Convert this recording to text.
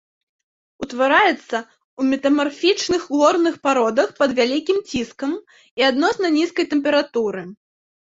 Утвараецца ў метамарфічных горных пародах пад вялікім ціскам і адносна нізкай тэмпературы.